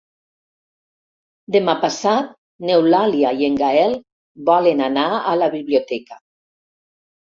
Demà passat n'Eulàlia i en Gaël volen anar a la biblioteca.